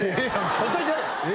ほっといてやれ！